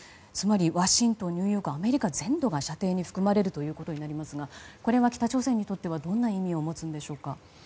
つまりワシントン、ニューヨークアメリカ全土が射程に含まれるということになりますがこれは北朝鮮にとってはどんな意味を持つんでしょうか？